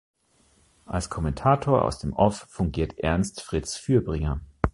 Als Kommentator aus dem Off fungiert Ernst Fritz Fürbringer.